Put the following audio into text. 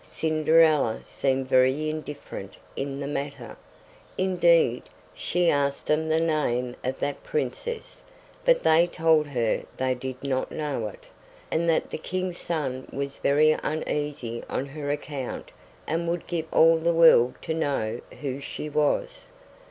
Cinderella seemed very indifferent in the matter; indeed, she asked them the name of that princess; but they told her they did not know it, and that the King's son was very uneasy on her account and would give all the world to know who she was.